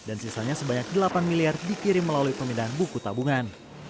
dan sisanya sebanyak delapan miliar dikirim melalui pemindahan buku tabungan